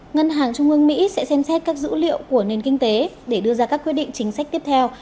ngân hàng trung ương mỹ sẽ xem xét các dữ liệu của nền kinh tế để đưa ra các quyết định chính sách tiếp theo